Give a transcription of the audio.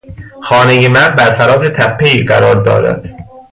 خانهی من بر فراز تپهای قرار دارد.